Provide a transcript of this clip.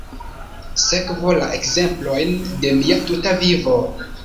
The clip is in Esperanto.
Sekvu la ekzemplojn de mia tuta vivo.